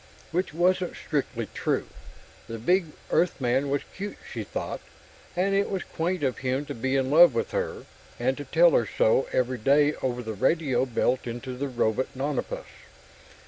Which wasn't strictly true. The big Earthman was cute, she thought, and it was quaint of him to be in love with her, and to tell her so every day over the radio built into the robot nonapus.